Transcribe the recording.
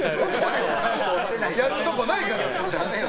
やることないから！